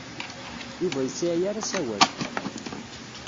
Yuba ur yesɛi ara asawal.